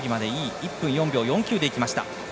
１分４秒４９でいきました。